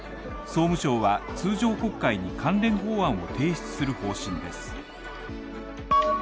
総務省は通常国会に関連法案を提出する方針です。